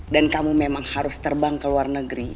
dan kamu memang harus terbang ke luar negeri